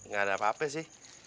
gak ada apa apa sih